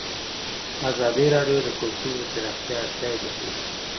ازادي راډیو د کلتور د پراختیا اړتیاوې تشریح کړي.